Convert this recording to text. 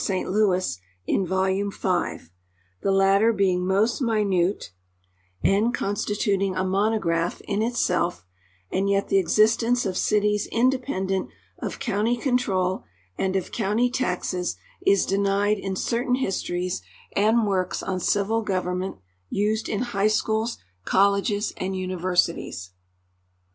St. Louis, in volume 5, the latter being most minute, and con "FREE BURGHS" IX THE EXITED STATES 121 stitiiting a monograph in itself, and yet the existence of cities independent of county control and of county taxes is denied in certain histories and works on civil government used in high schools, colleges, and universities.